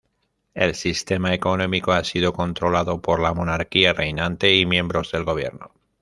El sistema económico ha sido controlado por la monarquía reinante y miembros del gobierno.